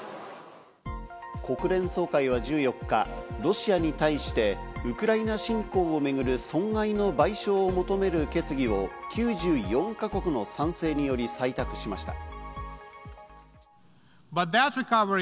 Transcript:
国連総会は１４日、ロシアに対してウクライナ侵攻をめぐる損害の賠償を求める決議を９４か国の賛成により採択しました。